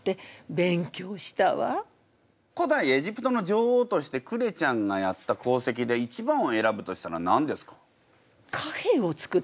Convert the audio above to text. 古代エジプトの女王としてクレちゃんがやった功績で一番を選ぶとしたら何ですか？